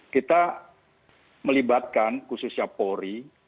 kita melibatkan khususnya polri